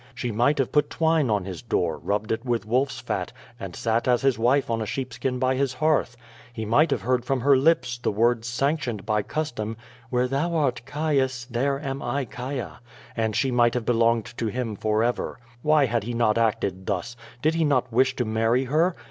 She might have put twine on his door, rubbed it with wolf's fat, and sat as his wife on a sheepskin by his hearth. He might have heard from her lips the words sanctioned by custom: ^^Where thou art, Caius, there an. I Caia/' and she might have belonged to him forever. Why had he not acted thus? Did he not wish to marry her?